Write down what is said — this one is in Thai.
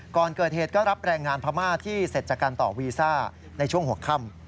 ก่อนเกิดเหตุก็รับแรงงานพม่าที่เสร็จจากการต่อวีซ่าในช่วงหัวค่ำ